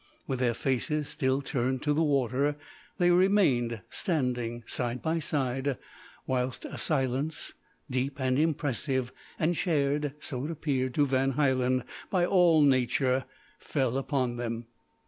With their faces still turned to the water they remained standing, side by side, whilst a silence deep and impressive, and shared, so it appeared to Van Hielen, by all nature fell upon them.